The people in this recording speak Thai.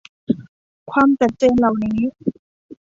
ความจัดเจนเหล่านี้